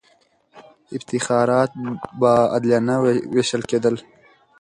افتخارات به عادلانه وېشل کېدله.